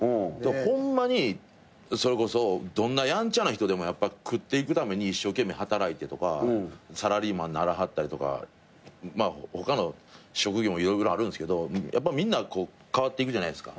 ホンマにそれこそどんなやんちゃな人でも食っていくために一生懸命働いてとかサラリーマンならはったりとかまあ他の職業も色々あるんすけどやっぱみんな変わっていくじゃないですか。